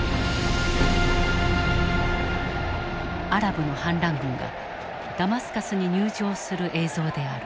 アラブの反乱軍がダマスカスに入城する映像である。